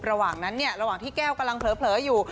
ระหว่างนั้นเนี่ยระหว่างที่แก้วกำลังเผลออยู่